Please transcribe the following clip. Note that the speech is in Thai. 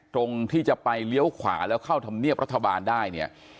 ตรงที่จะไปเลี้ยวขวาแล้วเข้าธรรมเนียบรัฐบาลได้เนี่ย